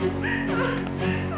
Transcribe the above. aku juga tidak ingin pergi